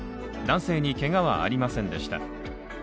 男性にけがはありませんでした。